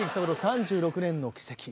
３６年の軌跡。